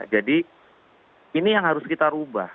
jadi ini yang harus kita rubah